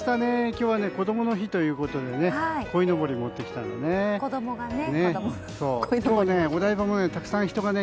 今日は、こどもの日ということでこいのぼりを持ってきたんだね。